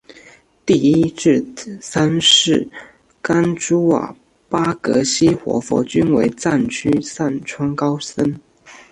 第一至三世甘珠尔巴格西活佛均为藏区散川高僧。